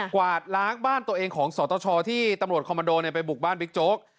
กวาดล้างบ้านตัวเองของสตชที่ตำรวจคอมมันโดไปบุกบ้านบิ๊กโจ๊ก